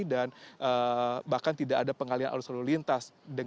dan bahkan tidak ada pengalian alus alus lintas